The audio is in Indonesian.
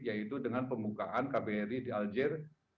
yaitu dengan pembukaan kbri di aljir